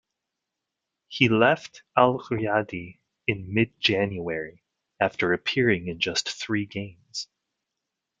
He left Al-Riyadi in mid-January after appearing in just three games.